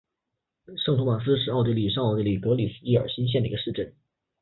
圣托马斯是奥地利上奥地利州格里斯基尔兴县的一个市镇。